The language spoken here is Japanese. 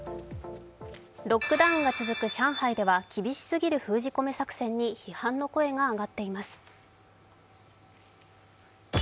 ロックダウンが続く上海では厳しすぎる封じ込め作戦に批判の声が上がっています。